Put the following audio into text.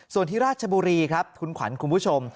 ส่วนที่ราชบุรีครับคุณขวัญคุณผู้ชม